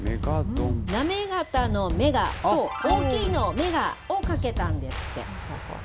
なめがたのめがと、大きいのメガを掛けたんですって。